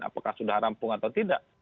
apakah sudah rampung atau tidak